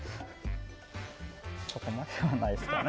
そこまではないですかね。